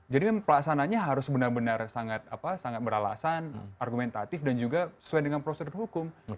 jadi memang pelaksananya harus benar benar sangat beralasan argumentatif dan juga sesuai dengan prosedur hukum